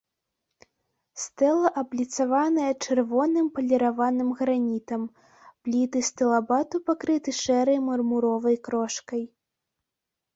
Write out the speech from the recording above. Стэла абліцаваная чырвоным паліраваным гранітам, пліты стылабату пакрыты шэрай мармуровай крошкай.